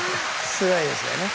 すごいですよね。